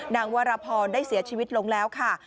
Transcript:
นางวรพรได้เสียชีวิตลงแล้วค่ะ